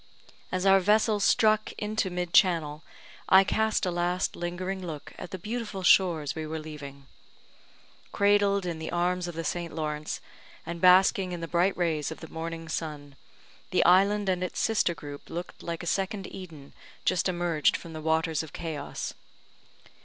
As our vessel struck into mid channel, I cast a last lingering look at the beautiful shores we were leaving. Cradled in the arms of the St. Lawrence, and basking in the bright rays of the morning sun, the island and its sister group looked like a second Eden just emerged from the waters of chaos.